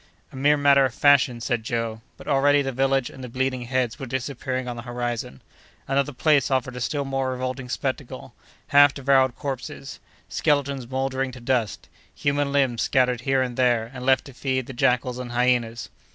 "A mere matter of fashion!" said Joe. But, already, the village and the bleeding heads were disappearing on the horizon. Another place offered a still more revolting spectacle—half devoured corpses; skeletons mouldering to dust; human limbs scattered here and there, and left to feed the jackals and hyenas.